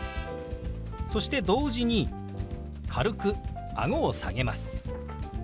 そして同時に軽くあごを下げます。